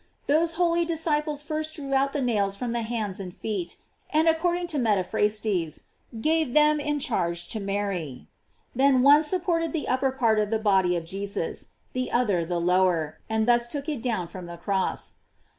Those holy disciples first GLORIES OP MARY. drew out the nails from the hands and feet, and according to Metaphrastes, gave them in charge to Mary. Then one supported the upper part of the body of Jesus, the other the lower, and thus took it down from the cross.